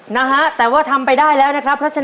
นะฮะแต่ว่าทำไปได้แล้วนะครับเพราะฉะนั้น